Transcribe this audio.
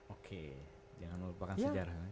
oke jangan melupakan sejarah